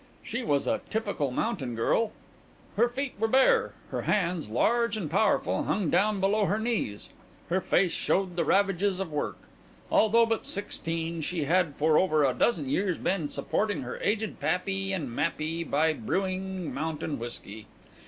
She was a typical mountain girl. Her feet were bare. Her hands, large and powerful, hung down below her knees. Her face showed the ravages of work. Although but sixteen, she had for over a dozen years been supporting her aged pappy and mappy by brewing mountain whiskey.